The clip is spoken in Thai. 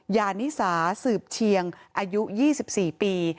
ยานิสาสืบเชียงอายุ๒๔ปี